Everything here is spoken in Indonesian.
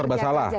takut serba salah